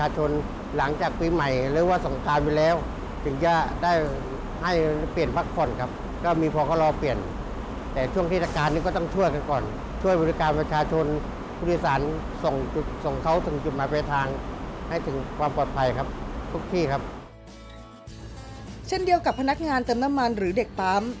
เช่นเดียวกับพนักงานเติมน้ำมันหรือเด็กปั๊ม